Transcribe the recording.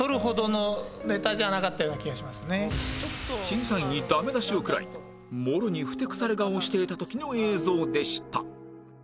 審査員にダメ出しを食らいもろにふてくされ顔をしていた時の映像でした